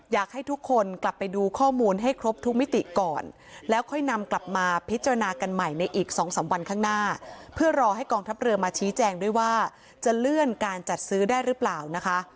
อยากให้ทุกคนกลับไปดูข้อมูลให้ครบทุกมิติก่อนแล้วค่อยนำกลับมาพิจารณากันใหม่ในอีก๒๓วันข้างหน้าเพื่อรอให้กองทัพเรือมาชี้แจงด้วยว่าจะเลื่อนการจัดซื้อได้หรือเปล่านะคะ